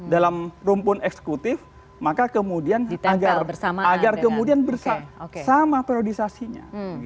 dalam rumpun eksekutif maka kemudian agar kemudian bersama sama periodisasinya